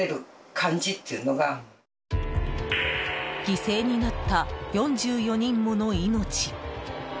犠牲になった４４人もの命。